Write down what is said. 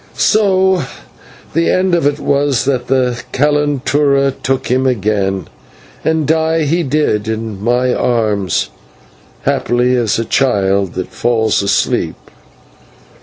So the end of it was that the /calentura/ took him again, and die he did in my arms, happily as a child that falls asleep.